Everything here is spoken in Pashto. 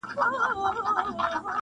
اوس رستم غوندي ورځم تر كندوگانو.!